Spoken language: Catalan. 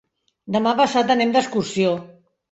Demà passat anem d'excursió.